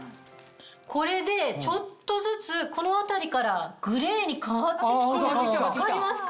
これでちょっとずつこの辺りからグレーに変わって来てるの分かりますか？